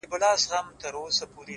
گراني ټوله شپه مي،